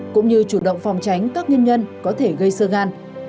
cũng như chủ động phòng tránh các nguyên nhân có thể gây sơ gan